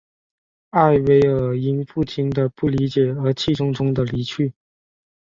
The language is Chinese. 艾薇尔因父亲的不理解而气冲冲地离去。